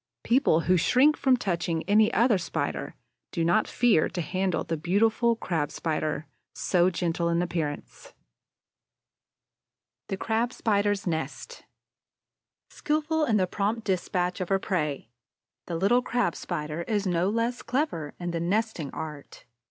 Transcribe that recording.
People who shrink from touching any other Spider do not fear to handle the beautiful Crab Spider, so gentle in appearance. THE CRAB SPIDER'S NEST Skillful in the prompt despatch of her prey, the little Crab spider is no less clever in the nesting art.